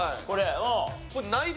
これ。